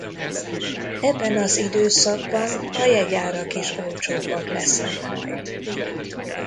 Ebben az időszakban a jegyárak is olcsóbbak lesznek majd.